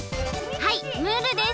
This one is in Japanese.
はいムールです！